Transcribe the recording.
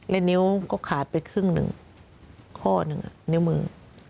และนิ้วก็ขาดไปครึ่งหนึ่งข้อหนึ่งนิ้วมือ